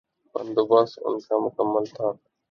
بندوبست ان کا مکمل تھا۔